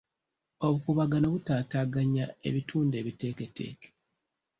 Obukuubagano butaataaganya ebitundu ebiteeketeeke.